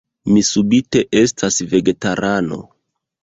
Mi subite estas vegetarano...